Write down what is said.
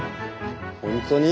本当に？